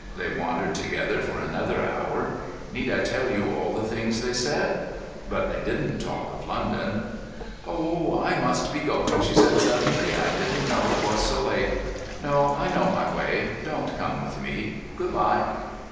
They wandered together for another hour. Need I tell you all the things they said? But they didn't talk of London. "Oh, I must be going," she said suddenly. "I didn't know it was so late. No, I know my way. Don't come with me. Good bye."